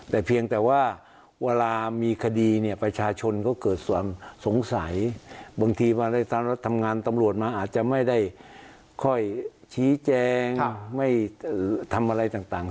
แต่เพียงแต่ว่าเวลามีคดีเนี่ยประชาชนก็เกิดความสงสัยบางทีเวลาทำงานตำรวจมาอาจจะไม่ได้ค่อยชี้แจงไม่ทำอะไรต่าง